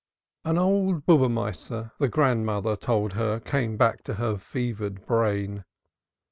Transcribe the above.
An old Maaseh the grandmother had told her came back to her fevered brain.